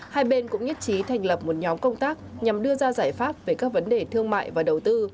hai bên cũng nhất trí thành lập một nhóm công tác nhằm đưa ra giải pháp về các vấn đề thương mại và đầu tư